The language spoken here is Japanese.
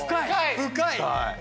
深い。